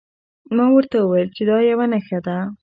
ما ورته وویل چې دا یوه نښه ده.